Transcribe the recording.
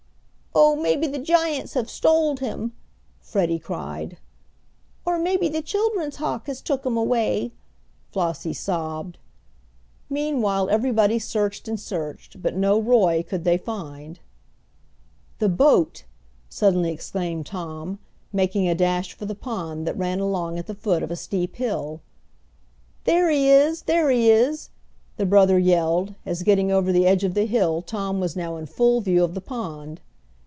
"Oh, maybe the giants have stoled him!" Freddie cried. "Or maybe the children's hawk has took him away," Flossie sobbed. Meanwhile everybody searched and searched, but no Roy could they find. "The boat!" suddenly exclaimed Tom, making a dash for the pond that ran along at the foot of a steep hill. "There he is! There he is!" the brother yelled, as getting over the edge of the hill Tom was now in full view of the pond.